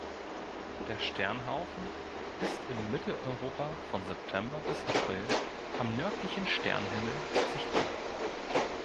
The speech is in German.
Der Sternhaufen ist in Mitteleuropa von September bis April am nördlichen Sternhimmel sichtbar.